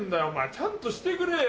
ちゃんとしてくれよ！